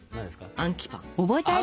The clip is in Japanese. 「アンキパン」！